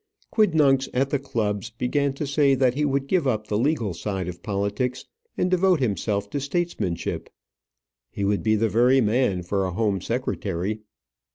Quidnuncs at the clubs began to say that he would give up the legal side of politics and devote himself to statesmanship. He would be the very man for a home secretary.